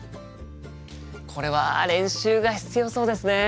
これは練習が必要そうですね。